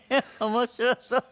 面白そう。